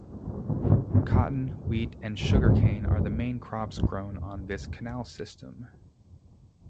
Cotton, wheat and sugar-cane are the main crops grown on this canal system.